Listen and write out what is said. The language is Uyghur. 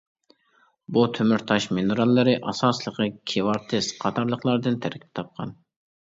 بۇ تومۇر تاش مىنېراللىرى ئاساسلىقى كىۋارتىس قاتارلىقلاردىن تەركىب تاپقان.